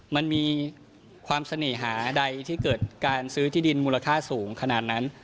มันมีความเสน่หาใดที่เกิดการซื้อที่ดินมูลค่าสูงขนาดนั้น